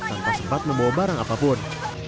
tanpa sempat membawa barang apapun